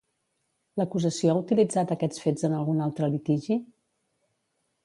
L'acusació ha utilitzat aquests fets en algun altre litigi?